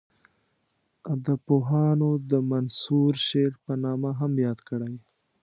ادبپوهانو د منثور شعر په نامه هم یاد کړی.